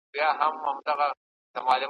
چی له خولې به یې تیاره مړۍ لوېږی ,